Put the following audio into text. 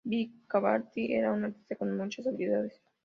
Di Cavalcanti era un artista con muchas habilidades.